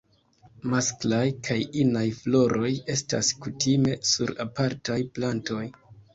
Masklaj kaj inaj floroj estas kutime sur apartaj plantoj.